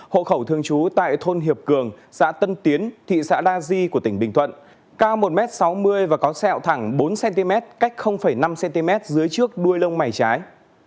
hộ khẩu thường trú tại thôn hiệp cường xã tân tiến thị xã la di của tỉnh bình thuận cao một m sáu mươi và có sẹo thẳng bốn cm cách năm cm dưới trước đuôi lông mày trái